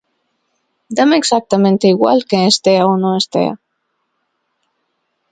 Dáme exactamente igual quen estea ou non estea.